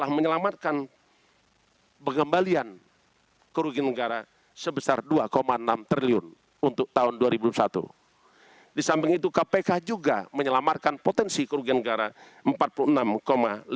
hal ini terbukti selama berdiri kpk